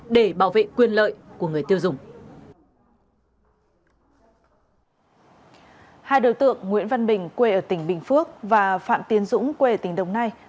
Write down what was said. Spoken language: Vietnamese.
để bảo vệ quyền lợi của người tiêu dùng